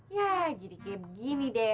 ya jadi kayak begini deh